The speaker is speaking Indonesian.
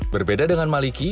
berbeda dengan maliki